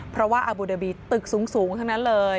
เพราะว่าอาบูเดบีตึกสูงทั้งนั้นเลย